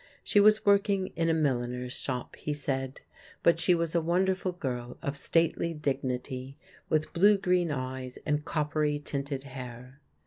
She was working in a milliner's shop, he said; but she was a wonderful girl of stately dignity, with blue green eyes and coppery tinted hair.